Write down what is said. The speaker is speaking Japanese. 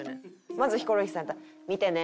まずヒコロヒーさんやったら「見てね」。